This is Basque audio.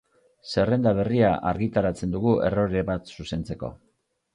Zerrenda berria argitaratzen dugu errore bat zuzentzeko.